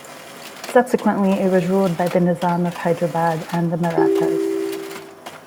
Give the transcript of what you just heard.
Subsequently, it was ruled by the Nizam of Hyderabad and the Marathas.